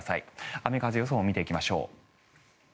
雨風予想も見ていきましょう。